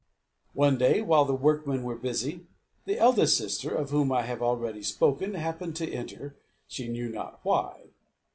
One day, while the workmen were busy, the eldest sister, of whom I have already spoken, happened to enter, she knew not why.